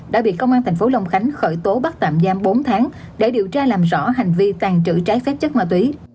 đã bị công an tp long khánh khởi tố bắt tạm giam bốn tháng để điều tra làm rõ hành vi tàn trữ trái phép chất ma túy